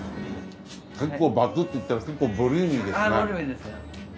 結構バクッといったらあぁボリューミーですよ。